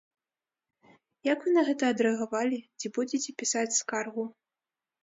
Як вы на гэта адрэагавалі, ці будзеце пісаць скаргу?